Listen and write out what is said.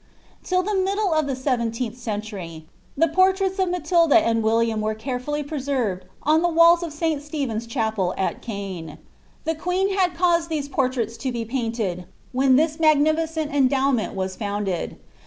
Till the middle of the seventeenth century, the portraits of Matilda •nd William were carefully preserved on the walls of Si. Stephen's Cha pel Dt Own. The queen had caused these portrails to be painted when itus magiiilicenl endowment was founded.'